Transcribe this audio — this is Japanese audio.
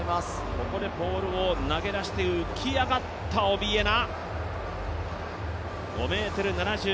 ここでポールを投げ出して浮き上がったオビエナ。